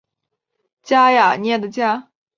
加雅涅的家。